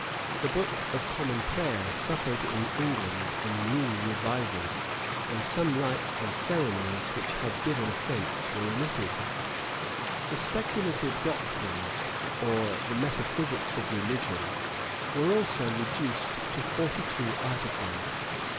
The book of common prayer suffered in England a new revisal, and some rites and ceremonies which had given offence were omitted.[] * Mem. Cranm. p. 234. Mem. Cieum. p, 289. The speculative doctrines, or the metaphysics of religion, were also reduced to forty two articles.